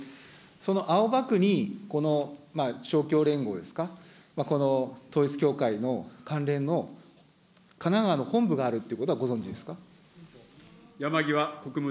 その青葉区に、この勝共連合ですか、この統一教会の関連の神奈川の本部があるということはご存じですか。